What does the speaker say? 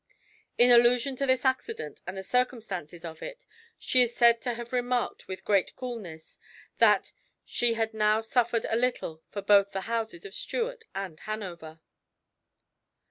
In allusion to this accident and the circumstances of it, she is said to have remarked with great coolness, that "she had now suffered a little for both the houses of Stuart and Hanover."